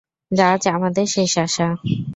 রাজ আমাদের শেষ আশা।